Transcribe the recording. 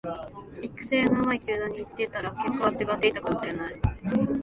育成の上手い球団に行ってたら結果は違っていたかもしれない